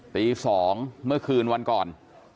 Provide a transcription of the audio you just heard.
ตี๒เมื่อคืนวันก่อน